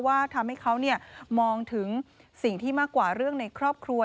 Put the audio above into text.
ว่าทำให้เขามองถึงสิ่งที่มากกว่าเรื่องในครอบครัว